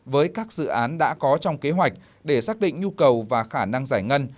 với các dự án đã có trong kế hoạch để xác định nhu cầu và khả năng giải ngân